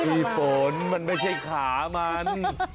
มีฝนมันไม่ใช่ขามัน